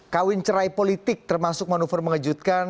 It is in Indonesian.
kawin cerai politik termasuk manuver mengejutkan